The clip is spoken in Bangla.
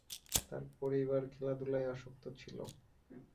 তার পরিবার খেলাধূলায় আসক্ত ছিল।